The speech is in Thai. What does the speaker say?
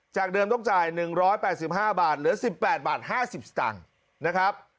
จากเดิมต้องจ่ายหนึ่งร้อยแปดสิบห้าบาทเหลือสิบแปดบาทห้าสิบสังนะครับ